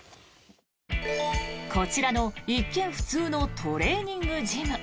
こちらの一見普通のトレーニングジム。